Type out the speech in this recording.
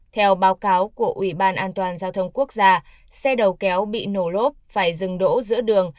theo báo cáo của ủy ban an toàn giao thông quốc gia xe đầu kéo bị nổ lốp phải dừng đỗ giữa đường